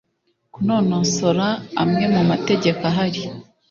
kunonosora amwe mu mategeko ahari